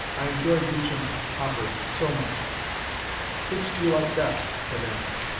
I enjoyed Beecham's operas so much." "Which do you like best?" said Aaron.